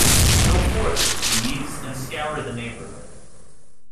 Go forth, Jeeves, and scour the neighbourhood.